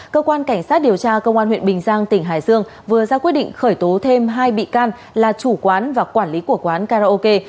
cơ quan cảnh sát điều tra công an huyện bình giang tỉnh hải dương vừa ra quyết định khởi tố thêm hai bị can là chủ quán và quản lý của quán karaoke